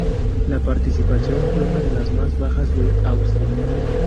La participación fue una de las más bajas de Austria.